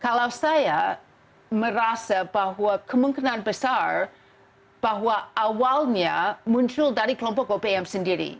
kalau saya merasa bahwa kemungkinan besar bahwa awalnya muncul dari kelompok opm sendiri